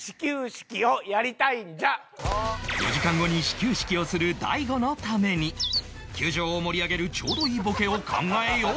４時間後に始球式をする大悟のために球場を盛り上げるちょうどいいボケを考えよう